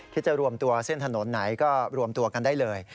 จะรวมตัวเส้นถนนไหนก็รวมตัวกันได้เลย